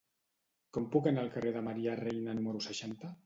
Com puc anar al carrer de Maria Reina número seixanta?